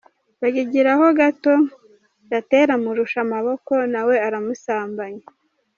Bagigiraho gato, Gatera amurusha amaboko, nawe aramusambanya.